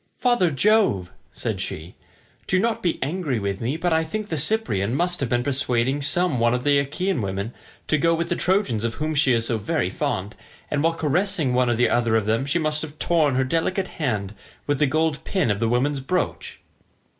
"Father Jove," said she, "do not be angry with me, but I think the Cyprian must have been persuading some one of the Achaean women to go with the Trojans of whom she is so very fond, and while caressing one or other of them she must have torn her delicate hand with the gold pin of the woman's brooch."